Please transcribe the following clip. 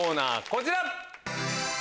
こちら！